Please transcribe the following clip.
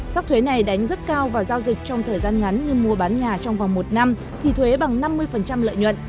sắc thuế này đánh rất cao vào giao dịch trong thời gian ngắn như mua bán nhà trong vòng một năm thì thuế bằng năm mươi lợi nhuận